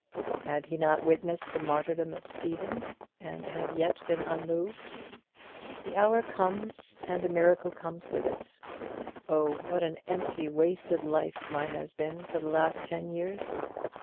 Had he not witnessed the martyrdom of Stephen, and had yet been unmoved? The hour comes, and the miracle comes with it. Oh, what an empty wasted life mine has been for the last ten years!